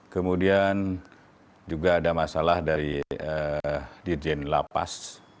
kemudian juga ada masalah dari dirjen lapas